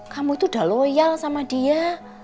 kamu itu udah loyal sama dia